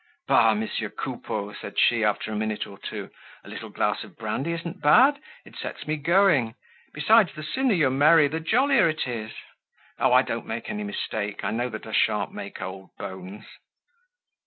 "Bah! Monsieur Coupeau," said she after a minute or two, "a little glass of brandy isn't bad. It sets me going. Besides, the sooner you're merry, the jollier it is. Oh! I don't make any mistake; I know that I shan't make old bones."